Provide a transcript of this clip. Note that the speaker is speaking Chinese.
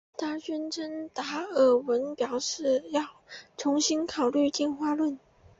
她宣称达尔文表示要重新考虑进化论。